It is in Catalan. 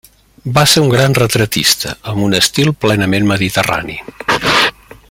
Va ser un gran retratista, amb un estil plenament mediterrani.